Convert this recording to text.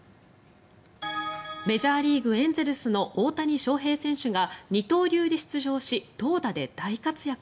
メジャーリーグエンゼルスの大谷翔平選手が二刀流で出場し投打で大活躍。